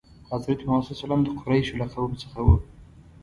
حضرت محمد ﷺ د قریشو له قوم څخه و.